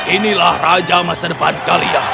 inilah raja masa depan kalian